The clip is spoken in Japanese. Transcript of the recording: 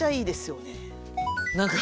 何か。